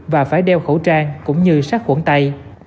và phải đeo khẩu trang cũng như sát khuẩn tay